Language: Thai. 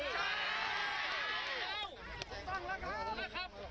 โอเคโอเคโอเคโอเค